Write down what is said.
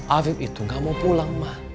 afif itu nggak mau pulang ma